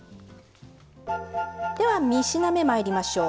三品目、まいりましょう。